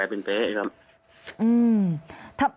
คุณประทีบขอแสดงความเสียใจด้วยนะคะ